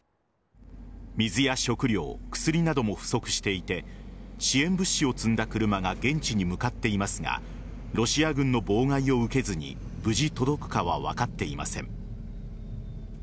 水や食料、薬なども不足していて支援物資を積んだ車が現地に向かっていますがロシア軍の妨害を受けずに無事届くかは分かっていません。